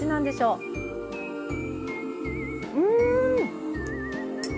うん！